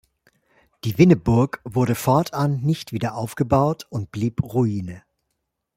Die Winneburg wurde fortan nicht wieder aufgebaut und blieb Ruine.